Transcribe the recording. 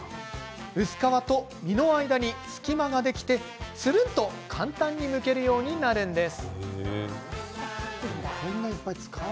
薄皮と実の間に隙間ができてつるんと簡単にむけるようになるんです。